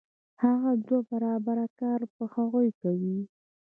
هغه دوه برابره کار په هغوی کوي